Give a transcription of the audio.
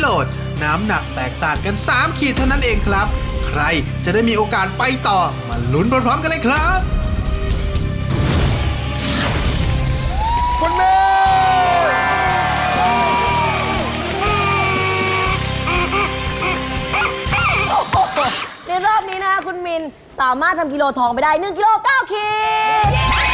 ในรอบนี้นะคะคุณมินสามารถทำกิโลทองไปได้๑กิโล๙ขีด